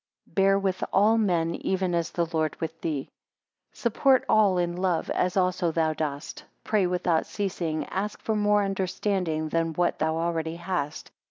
Bear with all men even as the Lord with thee. 5 Support all in love, as also thou dost. Pray without ceasing ask more understanding than what thou already hast.